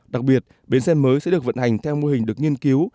đặc biệt bến xe mới sẽ được vận hành theo mô hình được nghiên cứu